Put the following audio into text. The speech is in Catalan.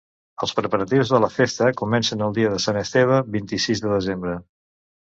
Els preparatius de la Festa comencen el dia de Sant Esteve, vint-i-sis de desembre.